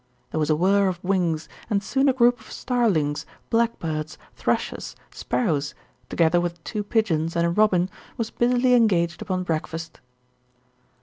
There was a whirr of wings, and soon a group of starlings, blackbirds, thrushes, sparrows, together with two pigeons and a robin was busily engaged upon breakfast.